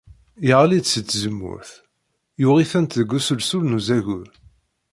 Yeɣli-d si tzemmurt, yuɣ-itent deg uselsul n uzagur.